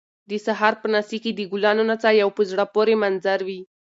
د سهار په نسي کې د ګلانو نڅا یو په زړه پورې منظر وي